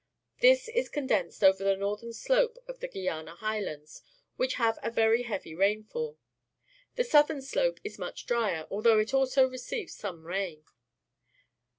This is condensed over the northern slope of the Guiana Highlands, which have a very heavy rainfall. The southern slope is much drier, although it also receives some rain.